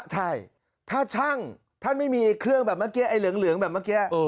ใช่ถ้าช่างท่านไม่มีเครื่องแบบเมื่อกี้ไอ้เหลืองแบบเมื่อกี้